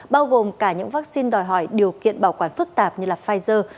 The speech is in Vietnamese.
bao gồm cả những vaccine đòi hỏi điều kiện bảo quản phức tạp như là pfizer